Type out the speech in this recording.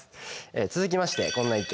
続きましてこんな意見。